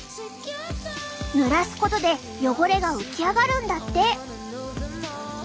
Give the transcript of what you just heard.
ぬらすことで汚れが浮き上がるんだって。